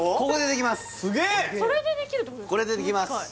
ここでできます